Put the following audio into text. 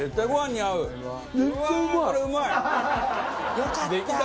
よかった！